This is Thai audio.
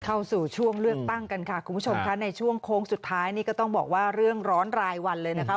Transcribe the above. เข้าสู่ช่วงเลือกตั้งกันค่ะคุณผู้ชมค่ะในช่วงโค้งสุดท้ายนี่ก็ต้องบอกว่าเรื่องร้อนรายวันเลยนะคะ